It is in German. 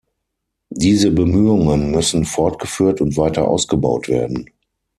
Diese Bemühungen müssen fortgeführt und weiter ausgebaut werden.